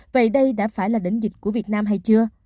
vậy đây đã phải là đỉnh dịch của việt nam hay chưa